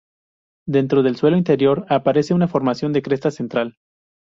Dentro del suelo interior aparece una formación de crestas central.